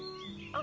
あ